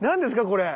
これ。